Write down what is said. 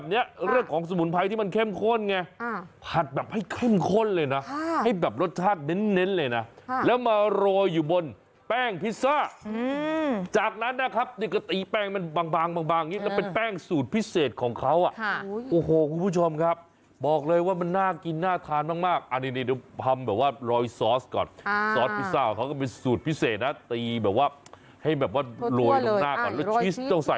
ฮ่าฮ่าฮ่าฮ่าฮ่าฮ่าฮ่าฮ่าฮ่าฮ่าฮ่าฮ่าฮ่าฮ่าฮ่าฮ่าฮ่าฮ่าฮ่าฮ่าฮ่าฮ่าฮ่าฮ่าฮ่าฮ่าฮ่าฮ่าฮ่าฮ่าฮ่าฮ่าฮ่าฮ่าฮ่าฮ่า